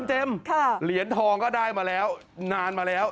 เหรียญทองก็ได้มาแล้วนานมาแล้ว